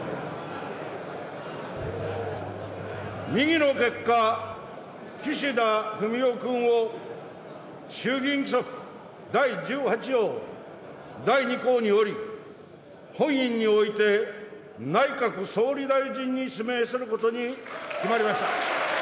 右の結果、岸田文雄君を衆議院規則第１８条第２項により、本院において内閣総理大臣に指名することに決まりました。